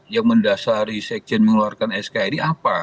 yang mendasari sekjen mengeluarkan sk ini apa